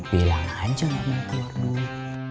bila aja mama kuat dulu